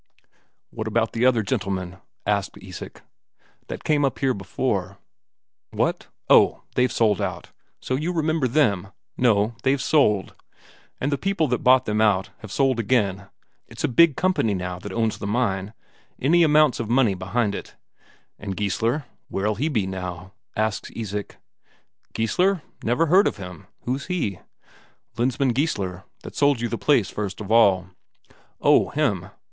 "What about the other gentlemen," asked Isak, "that came up here before?" "What? Oh, they've sold out. So you remember them? No, they've sold. And the people that bought them out have sold again. It's a big company now that owns the mine any amount of money behind it." "And Geissler, where'll he be now?" asks Isak. "Geissler? Never heard of him. Who's he?" "Lensmand Geissler, that sold you the place first of all." "Oh, him!